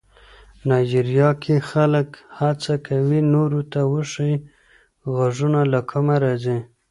نایجیریا کې خلک هڅه کوي نورو ته وښيي غږونه له کومه راځي.